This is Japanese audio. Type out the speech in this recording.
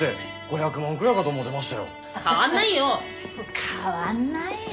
変わんないよ！